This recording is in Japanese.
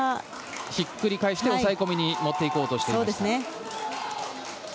ひっくり返して抑え込みに持っていこうとしている。